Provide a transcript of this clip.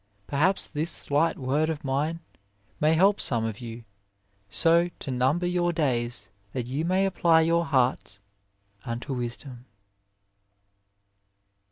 Perhaps this slight 61 A WAY OF LIFE word of mine may help some of you so to number your days that you may apply your hearts unto wisdom.